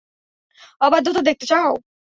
অবাধ্যতা দেখতে চাও?